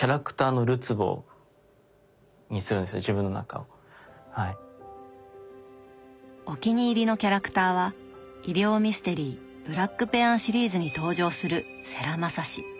だからお気に入りのキャラクターは医療ミステリー「ブラックペアン」シリーズに登場する「世良雅志」。